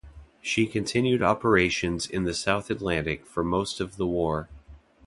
She continued operations in the South Atlantic for most of the war.